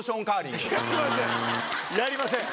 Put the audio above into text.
やりません！